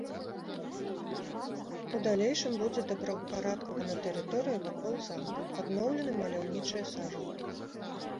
У далейшым будзе добраўпарадкавана тэрыторыя вакол замка, адноўлены маляўнічыя сажалкі.